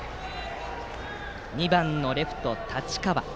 打席は２番のレフト、太刀川。